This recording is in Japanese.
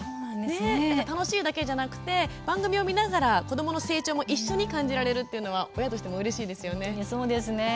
楽しいだけじゃなくて番組を見ながら子どもの成長も一緒に感じられるというのは親としてもうれしいですね。